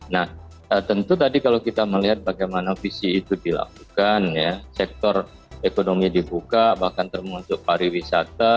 nah tentu tadi kalau kita melihat bagaimana visi itu dilakukan ya sektor ekonomi dibuka bahkan termasuk pariwisata